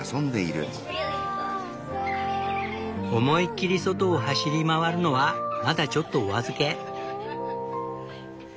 思いっきり外を走り回るのはまだちょっとお預け。